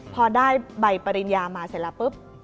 พอได้ใบปริญญามาเสร็จแล้วปุ๊บ